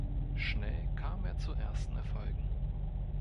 Schnell kam er zu ersten Erfolgen.